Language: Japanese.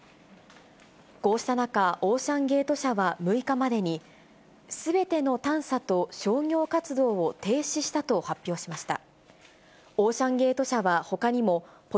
こうした中、オーシャンゲート社は６日までに、すべての探査と商業活動を停止したと発表しました。